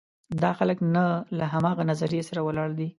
دا خلک نه له همغه نظریې سره ولاړ دي.